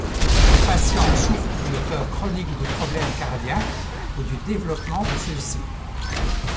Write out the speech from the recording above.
Les patients souffrent d'une peur chronique de problèmes cardiaques ou du développement de ceux-ci.